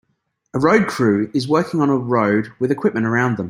A road crew is working on a road with equipment around them.